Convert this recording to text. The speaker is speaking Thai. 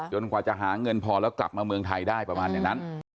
กว่าจะหาเงินพอแล้วกลับมาเมืองไทยได้ประมาณอย่างนั้น